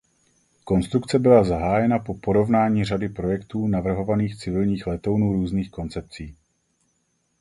Konstrukce byla zahájena po porovnání řady projektů navrhovaných civilních letounů různých koncepcí.